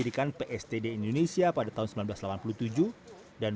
dan juga olimpiade